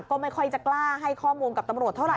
ก็ไม่ค่อยจะกล้าให้ข้อมูลกับตำรวจเท่าไห